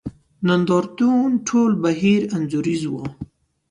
نند ارتون ټول بهیر انځوریز وو.